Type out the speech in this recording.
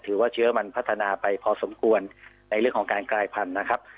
ถือว่าเชื้อมันพัฒนาไปพอสมควรในเรื่องของการกลายพันธุ์นะครับ